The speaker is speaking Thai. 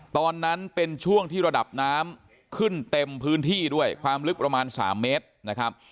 ตอนนั้นเป็นช่วงที่ระดับน้ำขึ้นเต็มพื้นที่ด้วยความลึกประมาณ๓เมตรนะครับ